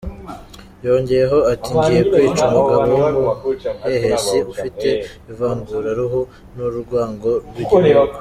Yongeyeho ati “Ngiye kwica umugabo w’ umuhehesi, ufite ivanguraruhu, n’ urwango rw’ ibihugu.